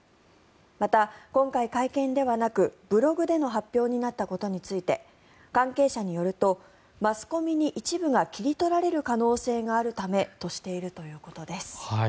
また、今回、会見ではなくブログでの発表になったことについて関係者によるとマスコミに一部が切り取られる可能性があるためとしているということです。